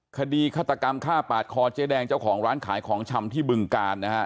คดีฆาตกรรมฆ่าปาดคอเจ๊แดงเจ้าของร้านขายของชำที่บึงกาลนะฮะ